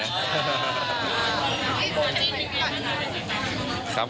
พี่กูจีนดีกว่า